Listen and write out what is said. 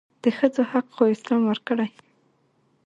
دښځو حق خواسلام ورکړي